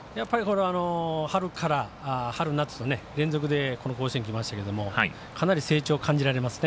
春から、春夏と連続で甲子園きましたけどもかなり成長を感じられます。